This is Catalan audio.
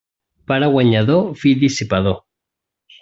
Pare guanyador, fill dissipador.